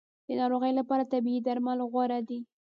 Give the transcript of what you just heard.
د ناروغۍ لپاره طبیعي درمل غوره دي